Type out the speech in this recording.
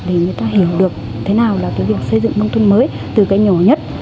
để người ta hiểu được thế nào là cái việc xây dựng nông thôn mới từ cái nhồi nhất